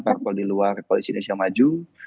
pak khol di luar koalisi indonesia maju